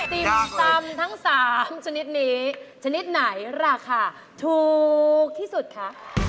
ติ่มตำทั้ง๓ชนิดนี้ชนิดไหนราคาถูกที่สุดคะ